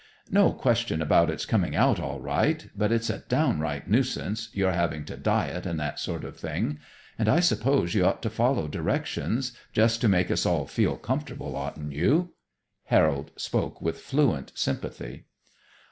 No question about it's coming out all right, but it's a downright nuisance, your having to diet and that sort of thing. And I suppose you ought to follow directions, just to make us all feel comfortable, oughtn't you?" Harold spoke with fluent sympathy.